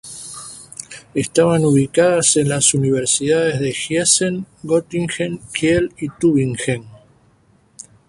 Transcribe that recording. Estaban ubicadas en las Universidades de Giessen, Göttingen, Kiel y Tübingen.